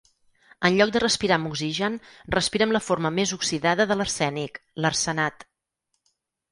En lloc de respirar amb oxigen, respira amb la forma més oxidada de l'arsènic, l'arsenat.